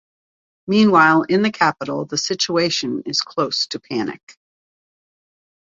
Meanwhile in the Capital, the situation is close to panic.